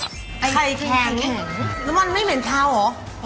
ไข่แข็งแล้วมันไม่เหม็นเทาเหรอ